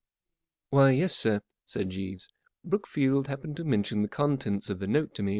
44 Why, yes, sir," said Jeeves. 44 Brookfield happened to mention the contents of the note t0 Tff ?